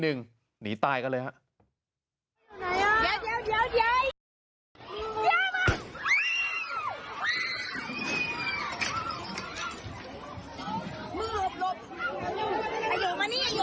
มึงเข้าน้ำเข้าน้ำเข้าน้ำ